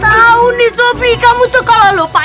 tahu nih sofi kamu tuh kalah lupa